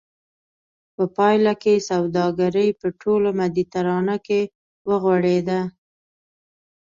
په پایله کې سوداګري په ټوله مدیترانه کې وغوړېده